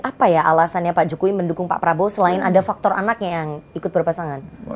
apa ya alasannya pak jokowi mendukung pak prabowo selain ada faktor anaknya yang ikut berpasangan